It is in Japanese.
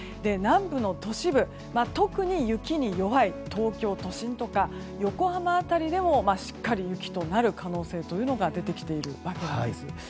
南部の都市部特に雪に弱い東京都心とか横浜辺りでもしっかり雪となる可能性が出てきている訳なんです。